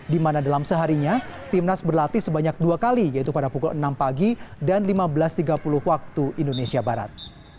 di mana dalam seharinya timnas berlatih sebanyak dua kali yaitu pada pukul enam pagi dan lima belas tiga puluh waktu indonesia barat